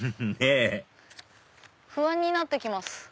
ねぇ不安になって来ます。